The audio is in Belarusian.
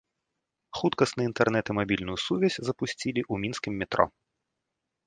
Хуткасны інтэрнэт і мабільную сувязь запусцілі ў мінскім метро.